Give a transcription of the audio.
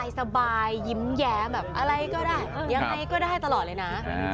สบายยิ้มแย้มแบบอะไรก็ได้ยังไงก็ได้ตลอดเลยนะ